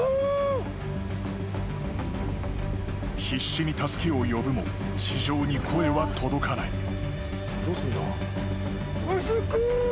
［必死に助けを呼ぶも地上に声は届かない］